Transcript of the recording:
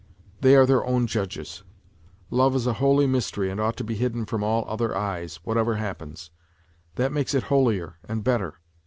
They are their own judges. Love is a holy mystery and ought to be hidden from all other eyes, whatever happens. That makes it holier and better.